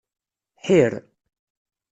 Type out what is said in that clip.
Ḥir.